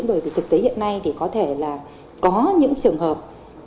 bởi vì thực tế hiện nay thì có thể là có những trường hợp